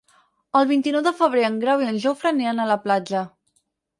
El vint-i-nou de febrer en Grau i en Jofre aniran a la platja.